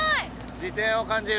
自転を感じる。